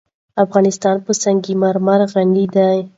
افغانستان په سنگ مرمر غني دی.